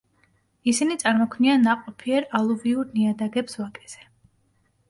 ისინი წარმოქმნიან ნაყოფიერ ალუვიურ ნიადაგებს ვაკეზე.